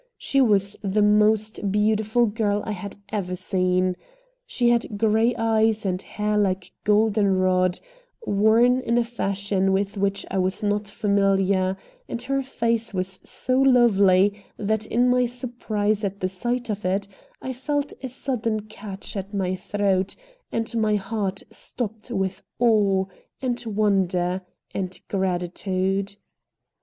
She was the most beautiful girl I had ever seen. She had gray eyes and hair like golden rod, worn in a fashion with which I was not familiar, and her face was so lovely that in my surprise at the sight of it, I felt a sudden catch at my throat, and my heart stopped with awe, and wonder, and gratitude.